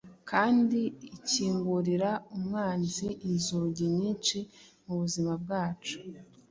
kandi ikingurira umwanzi inzugi nyinshi mu buzima bwacu.